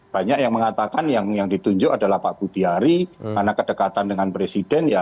banyak yang mengatakan yang ditunjuk adalah pak budi ari karena kedekatan dengan presiden